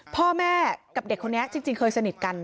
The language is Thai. พ่อแม่กับเด็กคนนี้จริงเคยสนิทกัน